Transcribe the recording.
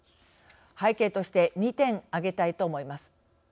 背景として２点挙げたいと思います。